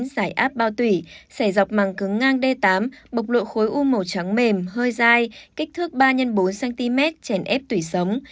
giải áp bao tủy xẻ dọc màng cứng ngang d tám bộc lộ khối u màu trắng mềm hơi dai kích thước ba x bốn cm chèn ép tủy sống